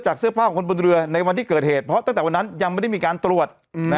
เสื้อผ้าของคนบนเรือในวันที่เกิดเหตุเพราะตั้งแต่วันนั้นยังไม่ได้มีการตรวจ